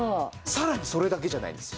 さらにそれだけじゃないんです。